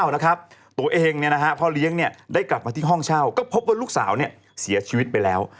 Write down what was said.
นะครับตัวเองพ่อเลี้ยงได้กลับมาที่ห้องเช่าก็พบว่าลูกสาวเสียชีวิตไปแล้ว